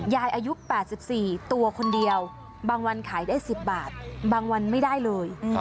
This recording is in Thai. อายุ๘๔ตัวคนเดียวบางวันขายได้๑๐บาทบางวันไม่ได้เลย